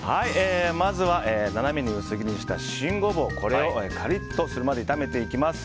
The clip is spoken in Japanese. まずは斜めに薄切りにした新ゴボウこれをカリッとするまで炒めていきます。